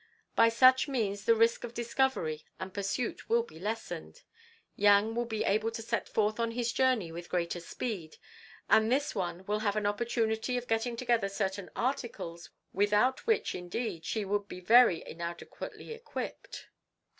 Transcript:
By such means the risk of discovery and pursuit will be lessened, Yang will be able to set forth on his journey with greater speed, and this one will have an opportunity of getting together certain articles without which, indeed, she would be very inadequately equipped."